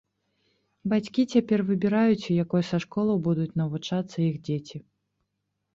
Бацькі цяпер выбіраюць, у якой са школаў будуць навучацца іх дзеці.